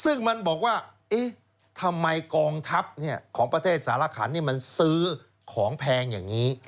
ซึ่งมันบอกว่าเอ๊ะทำไมกองทัพของประเทศสารขันมันซื้อของแพงอย่างนี้